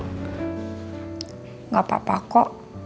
maaf ya soal tadi yang saya buru buru